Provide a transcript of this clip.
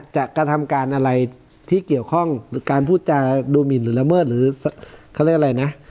กระทำการอะไรที่เกี่ยวข้องหรือการพูดจาดูหมินหรือละเมิดหรือเขาเรียกอะไรนะ